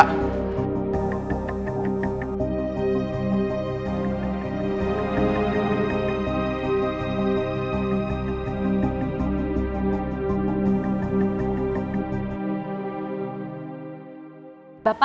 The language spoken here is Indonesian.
lagi terharta lopat